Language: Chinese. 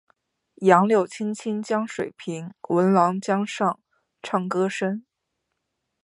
杨柳青青江水平，闻郎江上唱歌声。